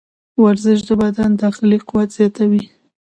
ورزش د بدن داخلي قوت زیاتوي.